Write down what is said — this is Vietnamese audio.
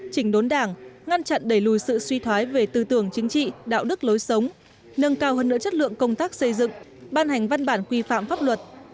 chỉnh đốn đảng ngăn chặn đẩy lùi sự suy thoái về tư tưởng chính trị đạo đức lối sống nâng cao hơn nữa chất lượng công tác xây dựng ban hành văn bản quy phạm pháp luật